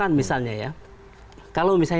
kalau misalnya yang seperti ini